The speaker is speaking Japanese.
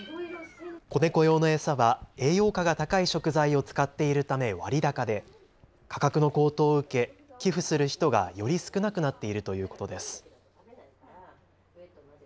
小猫用の餌は栄養価が高い食材を使っているため割高で価格の高騰を受け寄付する人が、より少なくなっているということです。